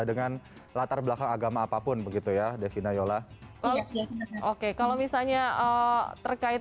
dengan latar belakang agama apapun begitu ya devina yola oke kalau misalnya terkait